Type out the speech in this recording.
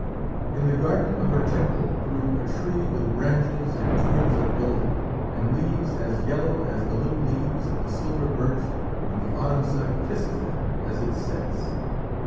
In the garden of her temple grew a tree with branches and twigs of gold, and leaves as yellow as the little leaves of the silver birch when the autumn sun kisses them as it sets.